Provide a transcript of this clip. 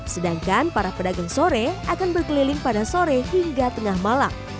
sedangkan para pedagang sore akan berkeliling pada sore hingga tengah malam